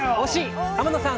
天野さん